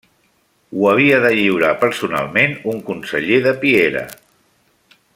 Ho havia de lliurar personalment un conseller de Piera.